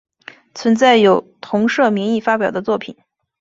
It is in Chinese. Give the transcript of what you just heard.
存在有同社名义发表的作品。